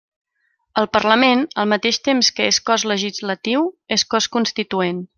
El Parlament, al mateix temps que és cos legislatiu, és cos constituent.